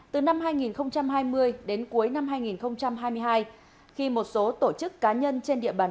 từ năm hai nghìn hai mươi đến cuối năm hai nghìn hai mươi hai khi một số tổ chức cá nhân trên địa bàn